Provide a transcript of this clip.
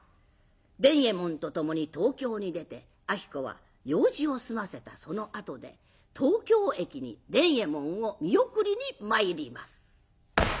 伝右衛門と共に東京に出て子は用事を済ませたそのあとで東京駅に伝右衛門を見送りに参ります。